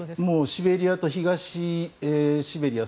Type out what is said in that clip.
シベリアと東シベリア